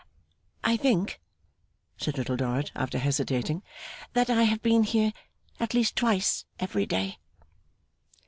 'I think,' said Little Dorrit, after hesitating, 'that I have been here at least twice every day.